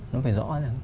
nó phải rõ ràng